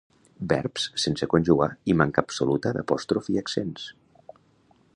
Verbs sense conjugar i manca absoluta d'apòstrofs i accents